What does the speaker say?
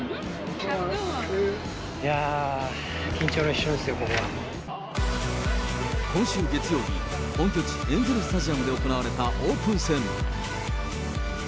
いやー、緊張の一瞬ですね、今週月曜日、本拠地エンゼルスタジアムで行われたオープン戦。